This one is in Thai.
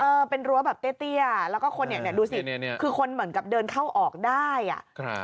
เออเป็นรั้วแบบเตี้ยแล้วก็คนเนี่ยดูสิคือคนเหมือนกับเดินเข้าออกได้อ่ะครับ